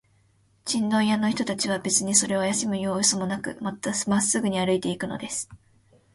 チンドン屋の人たちは、べつにそれをあやしむようすもなく、まっすぐに歩いていくのです。